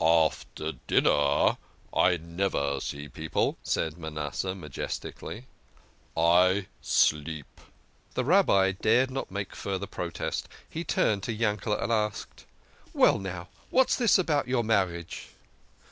"After dinner I never see people," said Manasseh majes tically ;" I sleep." The Rabbi dared not make further protest : he turned to Yankeld and asked, "Well, now, what's this about your marriage?"